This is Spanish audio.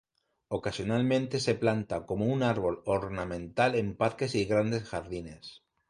Ocasionalmente se planta como un árbol ornamental en parques y grandes jardines.